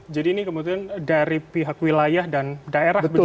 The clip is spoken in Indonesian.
jadi ini kemudian dari pihak wilayah dan daerah begitu ya